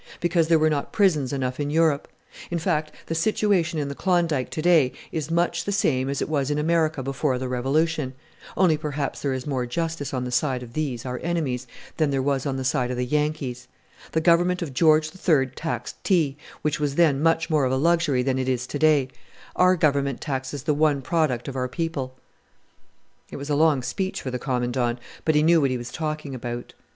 Because there were not prisons enough in Europe. In fact, the situation in the Klondike to day is much the same as it was in America before the Revolution only perhaps there is more justice on the side of these, our enemies, than there was on the side of the Yankees. The Government of George III taxed tea which was then much more of a luxury than it is to day: our Government taxes the one product of our people." A common saying in the North. It was a long speech for the Commandant, but he knew what he was talking about.